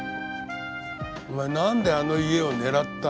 お前なんであの家を狙ったんだ？